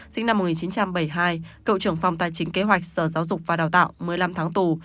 sinh năm một nghìn chín trăm bảy mươi hai cựu trưởng phòng tài chính kế hoạch sở giáo dục và đào tạo một mươi năm tháng tù